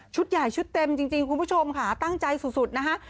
ใหญ่ชุดเต็มจริงคุณผู้ชมค่ะตั้งใจสุดนะคะ